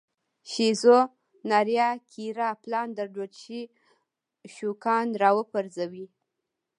شیزو ناریاکیرا پلان درلود چې شوګان را وپرځوي.